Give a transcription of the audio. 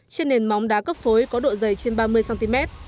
trên nền móng đá cấp phối có độ dày trên ba mươi cm